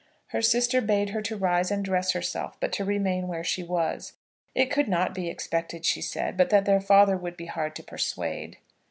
Her sister bade her to rise and dress herself, but to remain where she was. It could not be expected, she said, but that their father would be hard to persuade.